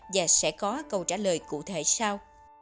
và sẽ có câu trả lời cụ thể sau